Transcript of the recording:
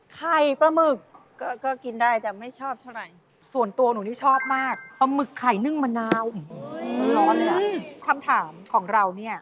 ทุกวันนี่ไม่ใช่ไข่มันเหรอ